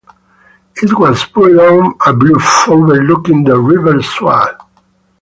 It was built on a bluff overlooking the River Swale.